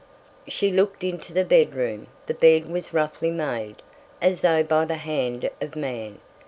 She looked into the bedroom; the bed was roughly made, as though by the hand of man.